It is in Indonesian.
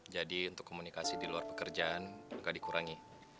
jadi untuk komunikasi di luar pekerjaan gak dikurangi